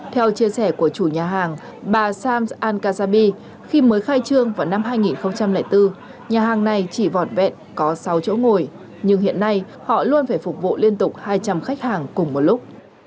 theo chia sẻ của chủ nhà hàng bà sams al kazabi khi mới khai trương vào năm hai nghìn bốn nhà hàng này chỉ vọt vẹn có sáu chỗ ngồi nhưng hiện nay họ luôn phải phục vụ liên tục hai trăm linh khách hàng cùng một lúc